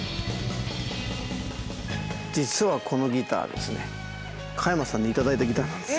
実はこのギターですね加山さんに頂いたギターなんです。